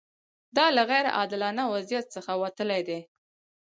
دا له غیر عادلانه وضعیت څخه وتل دي.